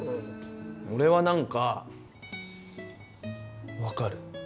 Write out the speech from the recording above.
俺はなんか分かる。